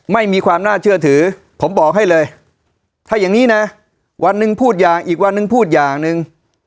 ไม่มีความน่าเชื่อถือผมบอกให้เลยถ้าอย่างนี้นะวันหนึ่งพูดอย่างอีกวันนึงพูดอย่างหนึ่ง